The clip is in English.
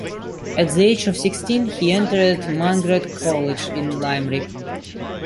At the age of sixteen, he entered Mungret College in Limerick.